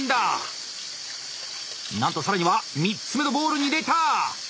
なんと更には３つ目のボウルに入れた！